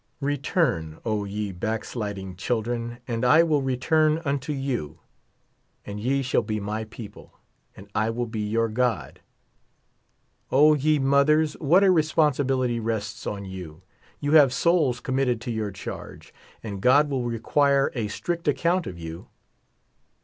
Return, O ye backsliding children, and I will return unto you. and ye shall be m}' people, and I will be j^our God. O, ye mothers, . what a responsibility rests on you ! You have souls committed to your charge, and God will require a strict account of you.